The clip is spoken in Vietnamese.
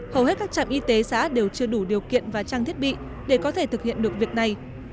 hầu hết các trạm y tế xã đều chưa đủ điều kiện và trang thiết bị để có thể thực hiện được việc này